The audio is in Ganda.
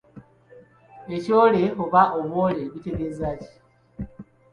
Ekyole oba obwole bitegeeza ki?